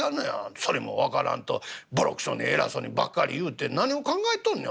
それも分からんとボロクソに偉そうにばっかり言うて何を考えとんのや？